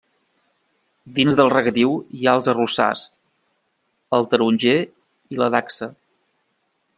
Dins del regadiu hi ha els arrossars, el taronger i la dacsa.